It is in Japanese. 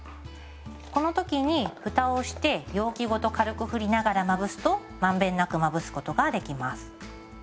この時に蓋をして容器ごと軽く振りながらまぶすと満遍なくまぶすことができます。